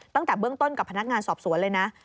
ตั้งแต่เบื้องต้นกับพนักงานสอบสวนเลยนะ